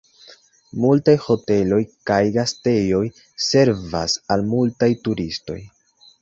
Multaj hoteloj kaj gastejoj servas al multaj turistoj.